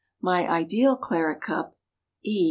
My ideal claret cup: _E.